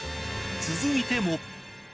続いても。